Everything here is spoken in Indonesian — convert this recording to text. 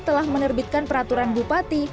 telah menerbitkan peraturan bupati